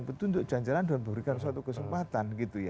petunjuk jalan jalan dan memberikan suatu kesempatan